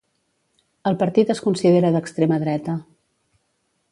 El partit es considera d'extrema dreta.